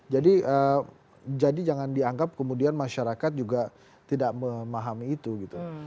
jadi jangan dianggap kemudian masyarakat juga tidak memahami itu gitu